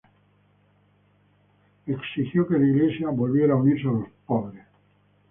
Exigió que la Iglesia volviera a unirse a los pobres.